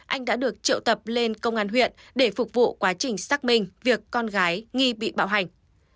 anh đã được triệu tập lên công an huyện để phục vụ quá trình xác minh việc con gái nghi bị bạo hành